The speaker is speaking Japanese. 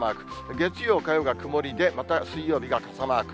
月曜、火曜が曇りで、また水曜日が傘マーク。